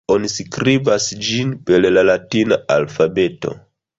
Oni skribas ĝin per la latina alfabeto.